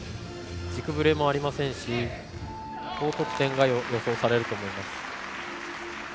軸ぶれもありませんし高得点が予想されると思います。